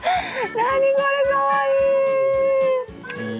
何これかわいい。